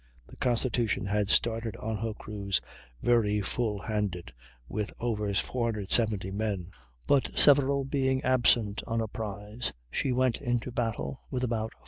The Constitution had started on her cruise very full handed, with over 470 men, but several being absent on a prize, she went into battle with about 450.